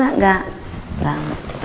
gue gak gak